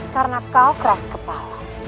karena kau keras kepala